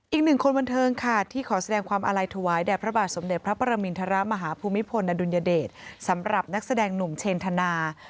อีกหนึ่งคนบันเทิงค่ะที่ขอแสดงความอาลัยถวายแด่พระบาทสมเด็จพระปรมินทรมาฮภูมิพลอดุลยเดชสำหรับนักแสดงหนุ่มเชนธนา